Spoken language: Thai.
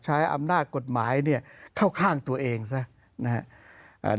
ใช้อำนาจกฎหมายเนี่ยเข้าข้างตัวเองซะนะครับ